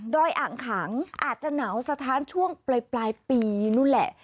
อ่างขังอาจจะหนาวสะท้านช่วงปลายปีนู้นแหละ